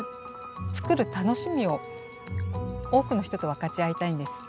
作る楽しみを多くの人と分かち合いたいんです。